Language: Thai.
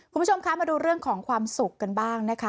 คุณผู้ชมคะมาดูเรื่องของความสุขกันบ้างนะคะ